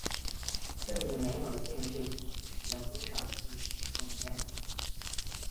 这里没有限制必须使用多少记忆体空间。